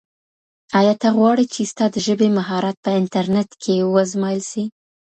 ایا ته غواړې چي ستا د ژبې مهارت په انټرنیټ کي و ازمایل سي؟